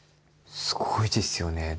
すごいですよね。